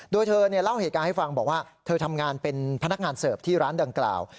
โดยเธอเล่าเหตุการณ์ให้ฟังบอกว่าเธอทำงานเป็นพนักงานเสิร์ฟที่ร้านดังกล่าว